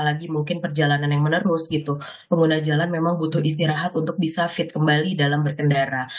apalagi mungkin perjalanan yang menerus gitu pengguna jalan memang butuh istirahat untuk bisa fit kembali dalam berkendara